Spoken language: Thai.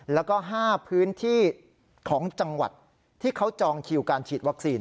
แล้วก็๕พื้นที่ของจังหวัดที่เขาจองคิวการฉีดวัคซีน